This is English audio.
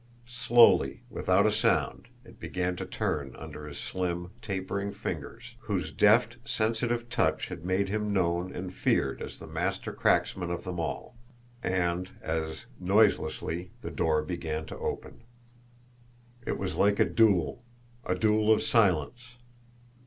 Slowly, without a sound, it began to turn under his slim, tapering fingers, whose deft, sensitive touch had made him known and feared as the master cracksman of them all; and, as noiselessly, the door began to open. It was like a duel a duel of silence.